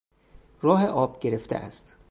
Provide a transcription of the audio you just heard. راه آب گرفته است.